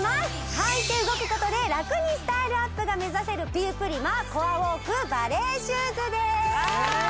履いて動くことでラクにスタイルアップが目指せるピウプリマコアウォークバレエシューズです